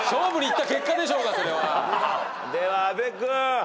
では阿部君。